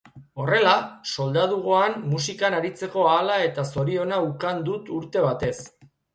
Horrela, soldadugoan musikan aritzeko ahala eta zoriona ukan dut urte batez.